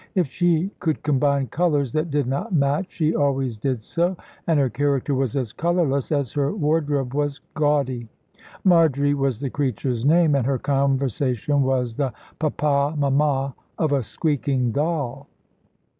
If she could combine colours that did not match, she always did so, and her character was as colourless as her wardrobe was gaudy. Marjory was the creature's name, and her conversation was the "Pa pa!" "Mam ma!" of a squeaking doll.